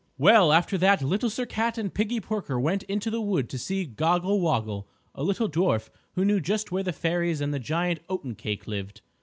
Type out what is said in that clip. Well, after that Little Sir Cat and Piggie Porker went into the wood to see Goggle Woggle, a little dwarf who knew just where the fairies and Giant Oatencake lived.